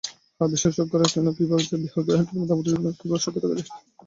হ্যাঁ, বিশেষজ্ঞরা বের করেছেন, বিবাহিত কিংবা দাম্পত্য জীবনে কীভাবে সুখে থাকা যায়।